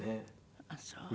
あっそう。